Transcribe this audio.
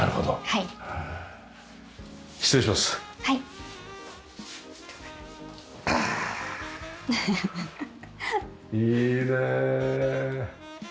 いいねえ。